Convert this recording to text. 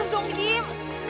lepas dong kim